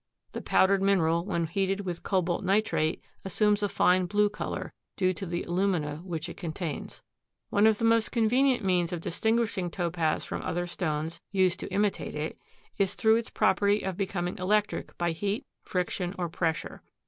The powdered mineral, when heated with cobalt nitrate, assumes a fine blue color, due to the alumina which it contains. One of the most convenient means of distinguishing Topaz from other stones used to imitate it is through its property of becoming electric by heat, friction or pressure.